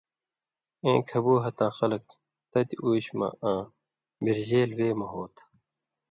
اېں (کھبُو ہتھاں خلک) تتیۡ اوشیۡ مہ آں بِرژېل وے مہ (ہوتھہ۔)